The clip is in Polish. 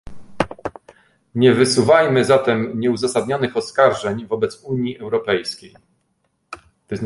Nie wysuwajmy zatem nieuzasadnionych oskarżeń wobec Unii Europejskiej